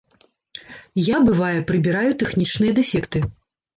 Я, бывае, прыбіраю тэхнічныя дэфекты.